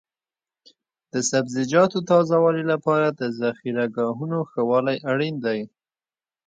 د سبزیجاتو تازه والي لپاره د ذخیره ګاهونو ښه والی اړین دی.